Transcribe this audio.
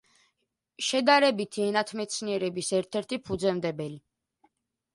შედარებითი ენათმეცნიერების ერთ-ერთი ფუძემდებელი.